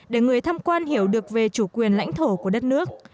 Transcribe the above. để người tham quan hiểu được về chủ quyền lãnh thổ của đất nước